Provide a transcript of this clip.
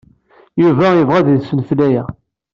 Yuba yebɣa ad yessenfel aya.